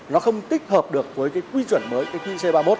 nó không tích hợp được với cái quy chuẩn mới cái qc ba mươi một